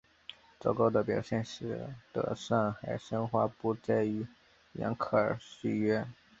糟糕的表现使得上海申花不再与扬克尔续约。